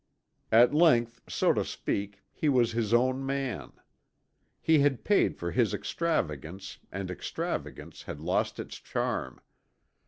At length, so to speak, he was his own man. He had paid for his extravagance and extravagance had lost its charm.